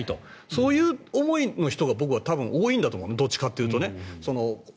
そういう思いの人が僕は多分多いんだと思うどっちかというと。